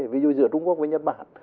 ví dụ giữa trung quốc với nhật bản